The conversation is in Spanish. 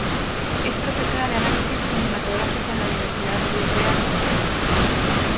Es profesora de Análisis Cinematográfico en la Universidad Europea de Madrid.